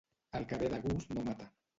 El que ve de gust no mata.